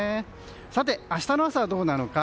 さて、明日の朝はどうなのか。